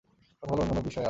কথা বলার অন্যান্য বিষয় আছে।